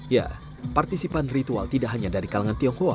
ya partisipan ritual tidak hanya dari kalangan tionghoa